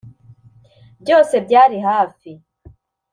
byose byari hafi.